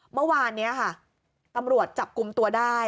เมื่อวานนี้ค่ะตำรวจจับกลุ่มตัวได้